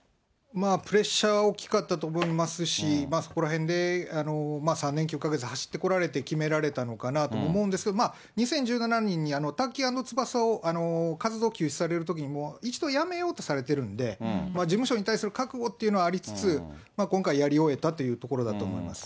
プレッシャー大きかったと思いますし、そこらへんで３年９か月走ってこられて決められたのかなと思うんですけども、２０１７年にタッキー＆翼を活動休止されるときにも、一度やめようとされてるんで、事務所に対する覚悟っていうのはありつつ、今回、やり終えたというところだと思います。